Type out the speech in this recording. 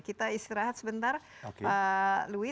kita istirahat sebentar pak louis